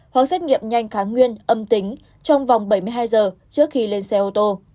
hoặc xét nghiệm nhanh kháng nguyên âm tính trong vòng bảy mươi hai giờ trước khi lên xe ô tô